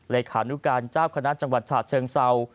เลขานุการเจ้าคณะจังหวัดฉะเชิงเศร้า